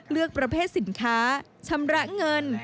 เลือกประเภทสินค้าชำระเงิน